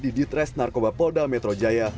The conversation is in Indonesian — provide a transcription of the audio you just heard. di ditres narkoba polda metrojaya